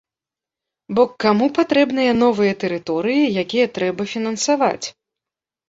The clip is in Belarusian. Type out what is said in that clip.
Бо каму патрэбныя новыя тэрыторыі, якія трэба фінансаваць?